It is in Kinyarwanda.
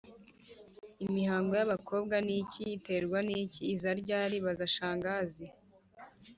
Imihango y'abakobwa ni iki, iterwa n'iki, iza ryari-Baza Shangazi